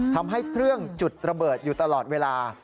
ทำให้เครื่องจุดระเบิดอยู่ตลอดเวลา